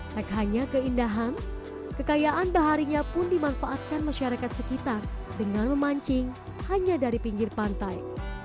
tak hanya keindahan kekayaan baharinya pun dimanfaatkan masyarakat sekitar dengan memancing hanya dari pinggir pantai